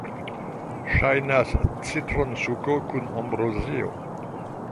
Ŝajnas citronsuko kun ambrozio.